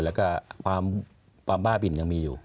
แล้วก็ความบ้าบินยังมีอยู่